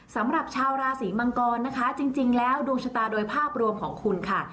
สำหรับชาวราศีมังกรนะคะจริงแล้วดวงชะตาโดยภาพรวมของคุณค่ะ